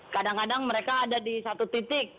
kadang kadang mereka ada di satu titik